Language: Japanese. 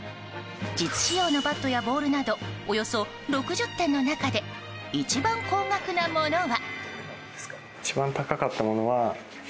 実使用のバットやボールなどおよそ６０点の中で一番高額なものは。